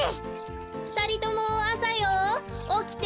ふたりともあさよおきて。